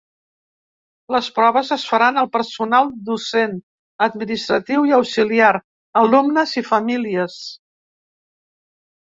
Les proves es faran al personal docent, administratiu i auxiliar, alumnes i famílies.